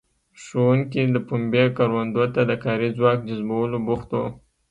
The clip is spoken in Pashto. ښوونکي د پنبې کروندو ته د کاري ځواک جذبولو بوخت وو.